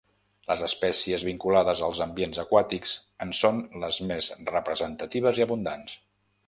Les espècies vinculades als ambients aquàtics en són les més representatives i abundants.